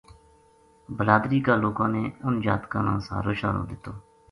بلادری کا لوکاں نے اُنھ جاتکاں نا سھارو شھارو دِتو